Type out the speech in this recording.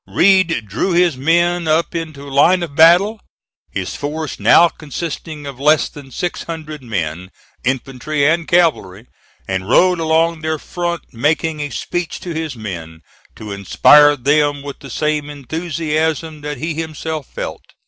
Read drew his men up into line of battle, his force now consisting of less than six hundred men, infantry and cavalry, and rode along their front, making a speech to his men to inspire them with the same enthusiasm that he himself felt.